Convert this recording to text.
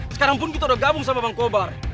sekarang pun kita udah gabung sama bang kobar